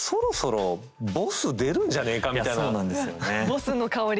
ボスの香りが。